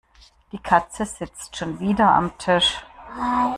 Die Katze sitzt schon wieder am Tisch.